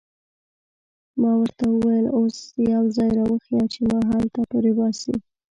ما ورته وویل: اوس یو ځای را وښیه چې ما هلته پرېباسي.